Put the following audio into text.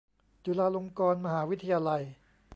จุฬาลงกรณ์มหาวิทยาลัย